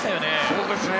そうですね。